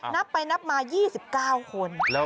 นับไปนับมา๒๙คน